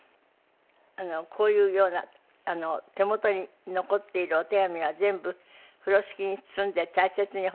こういうような手元に残っているお手紙は全部風呂敷に包んで大切に保管していらしたんですってね。